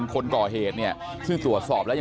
คนก่อเหตุเนี่ย